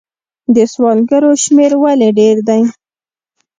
د سوالګرو شمیر ولې ډیر دی؟